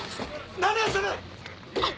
何をする！